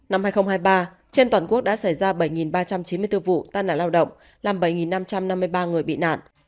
năm hai nghìn hai mươi ba trên toàn quốc đã xảy ra bảy ba trăm chín mươi bốn vụ tai nạn lao động làm bảy năm trăm năm mươi ba người bị nạn